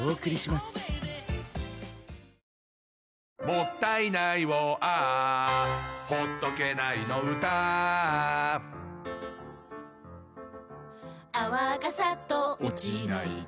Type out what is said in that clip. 「もったいないをＡｈ」「ほっとけないの唄Ａｈ」「泡がサッと落ちないと」